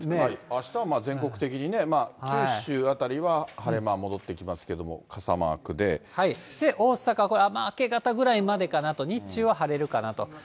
あしたは全国的に九州辺りは晴れ間戻ってきますけれども、傘大阪、これ明け方ぐらいまでかなと、日中は晴れるかなと。